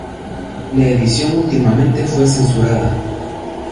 La edición últimamente fue censurada.